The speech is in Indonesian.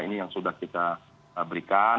ini yang sudah kita berikan